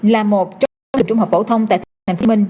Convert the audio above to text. là một trong những trung học phổ thông tại thành phố hồ chí minh